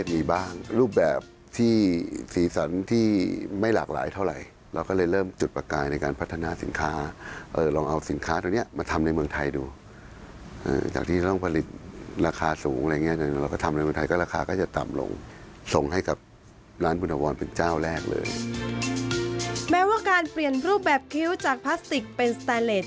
แม้ว่าการเปลี่ยนรูปแบบคิ้วจากพลาสติกเป็นสแตนเลส